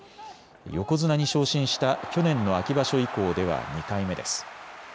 横綱に昇進した去年の秋場所以降では２回目です。